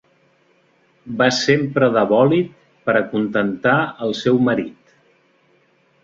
Va sempre de bòlit per acontentar el seu marit.